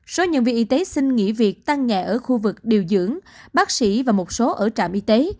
số nhân viên y tế xin nghỉ việc tăng nhẹ ở khu vực điều dưỡng bác sĩ và một số ở trạm y tế